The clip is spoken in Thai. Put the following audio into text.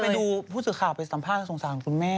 ไปดูผู้สื่อข่าวไปสัมภาษณ์สงสารคุณแม่